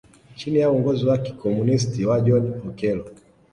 Chini ya uongozi wa kikomunisti wa John Okelo